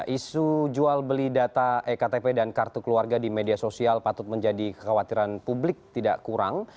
isu jual beli data ektp dan kartu keluarga di media sosial patut menjadi kekhawatiran publik tidak kurang